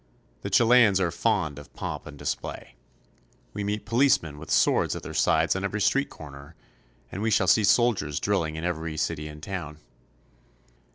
The Chileans are fond of pomp and display. We meet policemen with swords at their sides on every street corner, and we shall see soldiers drilling in every city and town.